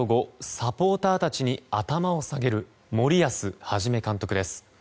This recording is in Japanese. サポーターたちに頭を下げる森保一監督です。